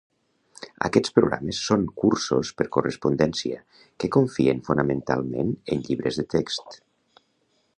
Aquests programes són cursos per correspondència, que confien fonamentalment en llibres de text.